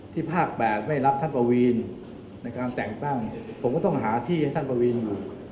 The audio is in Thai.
ภาค๘ไม่รับท่านประวีนในการแต่งตั้งผมก็ต้องหาที่ให้ท่านประวีนอยู่